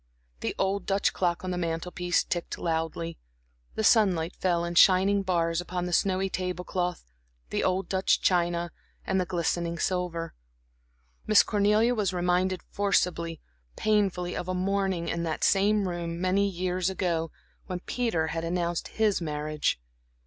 The old Dutch clock on the mantel piece ticked loudly, the sunlight fell in shining bars upon the snowy table cloth, the old Dutch china, the glistening silver. Miss Cornelia was reminded forcibly, painfully, of a morning in that same room many years ago, when Peter had announced his marriage.